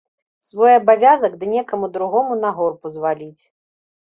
Свой абавязак ды некаму другому на горб узваліць.